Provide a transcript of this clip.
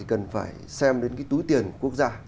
cần phải xem đến túi tiền quốc gia